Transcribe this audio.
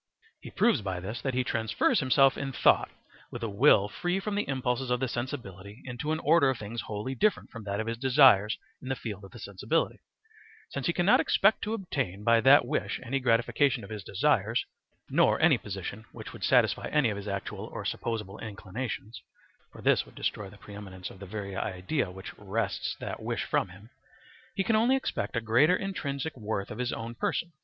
He proves by this that he transfers himself in thought with a will free from the impulses of the sensibility into an order of things wholly different from that of his desires in the field of the sensibility; since he cannot expect to obtain by that wish any gratification of his desires, nor any position which would satisfy any of his actual or supposable inclinations (for this would destroy the pre eminence of the very idea which wrests that wish from him): he can only expect a greater intrinsic worth of his own person.